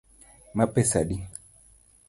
Ma pesa adi?